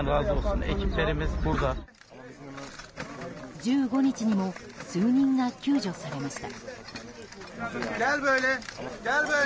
１５日にも数人が救助されました。